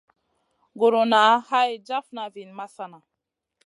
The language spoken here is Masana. Guruna hay jafna vi masana.